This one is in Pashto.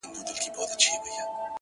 ارام سه څله دي پر زړه کوې باران د اوښکو.